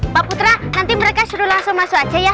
pak putra nanti mereka suruh langsung masuk aja ya